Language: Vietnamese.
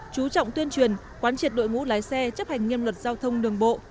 chú trọng tuyên truyền quán triệt đội ngũ lái xe chấp hành nghiêm luật giao thông đường bộ